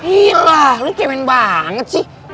ih lah lo cewek banget sih